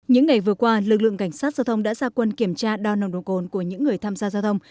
những ngày vừa qua lực lượng cảnh sát giao thông đã ra quân kiểm tra đo nồng độ cồn của những người tham gia giao thông